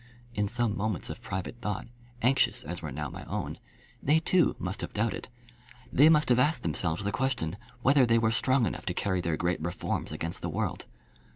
In some moments of private thought, anxious as were now my own, they too must have doubted. They must have asked themselves the question, whether they were strong enough to carry their great reforms against the world.